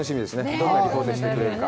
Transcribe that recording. どんなリポートしてくれるか。